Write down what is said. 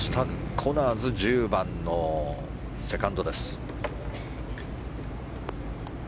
コナーズ１０番のセカンドです。